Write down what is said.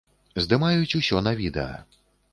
Здымаюць усё на відэа.